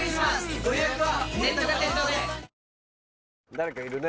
誰かいるね。